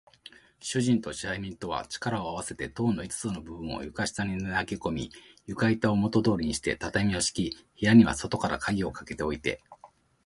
主人と支配人とは、力をあわせて塔の五つの部分を床下に投げこみ、床板をもとどおりにして、畳をしき、部屋には外からかぎをかけておいて、